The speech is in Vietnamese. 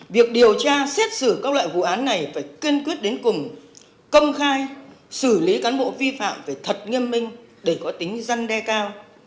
việc điều tra xét xử các loại vụ án này phải kiên quyết đến cùng công khai xử lý cán bộ vi phạm phải thật nghiêm minh để có tính răn đe cao